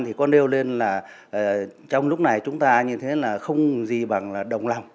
thì con đều lên là trong lúc này chúng ta như thế là không gì bằng là đồng lòng